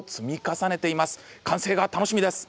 完成が楽しみです。